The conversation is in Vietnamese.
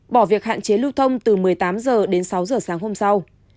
bỏ việc hạn chế lưu thông từ một mươi tám giờ đến sáu giờ sáng hôm sau